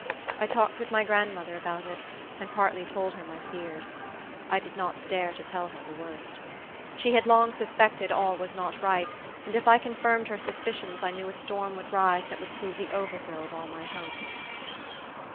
I talked with my grandmother about it, and partly told her my fears. I did not dare to tell her the worst. She had long suspected all was not right, and if I confirmed her suspicions I knew a storm would rise that would prove the overthrow of all my hopes.